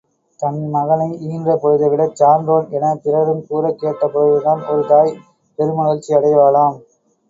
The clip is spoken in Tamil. தன் மகனை ஈன்ற பொழுதைவிடச் சான்றோன் எனப் பிறருங் கூறக் கேட்ட பொழுதுதான், ஒரு தாய் பெருமகிழ்ச்சியடைவாளாம்.